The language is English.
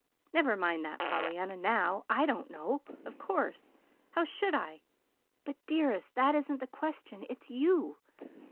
"Never mind that, Pollyanna, now. I don't know, of course. How should I? But, dearest, that isn't the question. It's you.